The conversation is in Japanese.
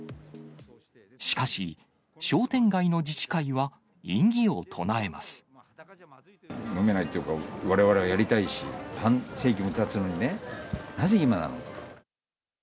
しかし、商店街の自治会は、のめないというか、われわれはやりたいし、半世紀もたつのにね、なぜ今なのか。